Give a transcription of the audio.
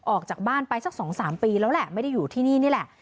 ออกจากบ้านไปสัก๒๓ปีแล้วแหละไม่ได้อยู่ที่นี่นี่แหละ